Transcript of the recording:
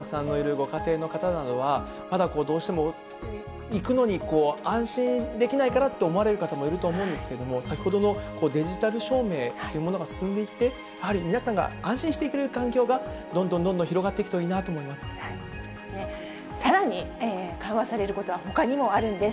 でも本当に、小さいお子さんのいるご家庭の方などは、ただどうしても、行くのに安心できないからと思われる方もいると思うんですけども、先ほどのデジタル証明というものが進んでいって、やはり、皆さんが安心して行かれる環境が、どんどんどんどん広がっていくとさらに緩和されることはほかにもあるんです。